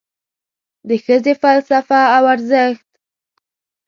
د ښځې فلسفه او ارزښت